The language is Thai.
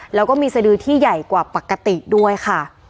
แล้วก็มีสดือที่ใหญ่กว่าปกติด้วยค่ะ